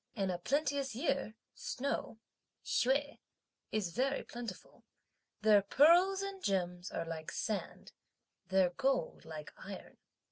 In a plenteous year, snow, (Hsüeh,) is very plentiful; their pearls and gems are like sand, their gold like iron.